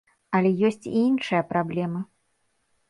Але ёсць і іншая праблема.